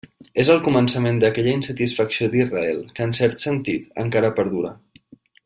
És el començament d'aquella insatisfacció d'Israel, que en cert sentit, encara perdura.